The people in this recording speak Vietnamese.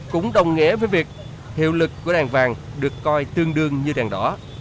cũng đồng nghĩa với việc hiệu lực của đàn vàng được coi tương đương như đèn đỏ